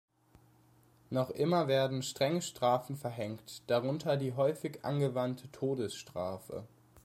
Noch immer werden strenge Strafen verhängt, darunter die häufig angewandte Todesstrafe.